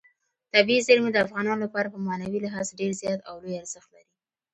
طبیعي زیرمې د افغانانو لپاره په معنوي لحاظ ډېر زیات او لوی ارزښت لري.